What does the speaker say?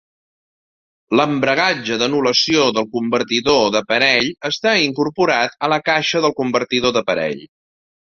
L'embragatge d'anul·lació del convertidor de parell està incorporat a la caixa del convertidor de parell.